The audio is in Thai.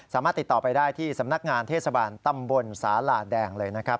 สามารถติดต่อไปได้ที่สำนักงานเทศบาลตำบลสาหลาแดงเลยนะครับ